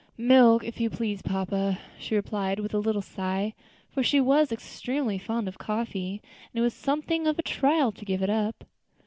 "Milk, if you please, papa," she replied with a little sigh; for she was extremely fond of coffee, and it was something of a trial to give it up.